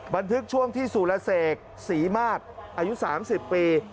บันทึกช่วงที่สุรเสกศรีมาศอายุ๓๐ปี